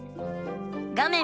画面